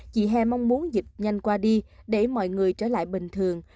chị he mong muốn dịch nhanh qua đi để mọi người trở lại bình thường